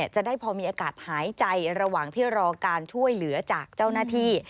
จะได้พอมีอากาศหายใจระหว่างที่รอการช่วยเหลือจากเจ้าหน้าที่